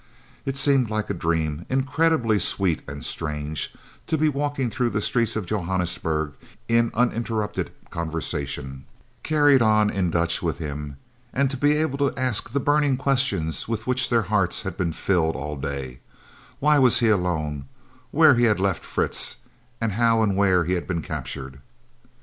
It seemed like a dream, incredibly sweet and strange, to be walking through the streets of Johannesburg in uninterrupted conversation, carried on in Dutch, with him, and to be able to ask the burning questions with which their hearts had been filled all day why he was alone, where he had left Fritz, how and where he had been captured.